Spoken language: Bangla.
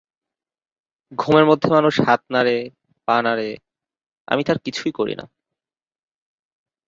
ঘুমের মধ্যে মানুষ হাত নাড়ে, পা নাড়ে- আমি তার কিছুই করি না।